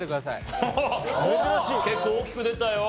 結構大きく出たよ。